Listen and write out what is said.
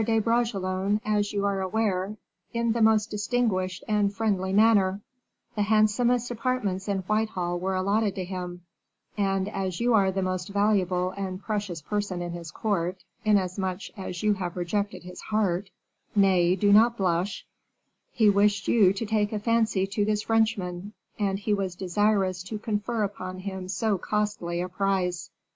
de Bragelonne, as you are aware, in the most distinguished and friendly manner; the handsomest apartments in Whitehall were allotted to him; and as you are the most valuable and precious person in his court, inasmuch as you have rejected his heart, nay, do not blush, he wished you to take a fancy to this Frenchman, and he was desirous to confer upon him so costly a prize.